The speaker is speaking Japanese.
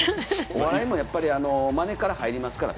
お笑いもやっぱりまねから入りますから。